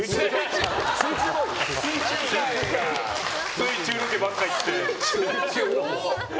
水中ロケばっかり行って。